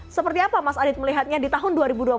seperti apa mas adit melihatnya di tahun dua ribu dua puluh